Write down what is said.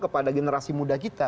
kepada generasi muda kita